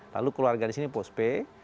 lalu keluarga di sini postpay